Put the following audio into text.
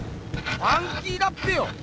ファンキーだっぺよ！